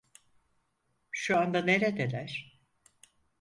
Şu anda neredeler?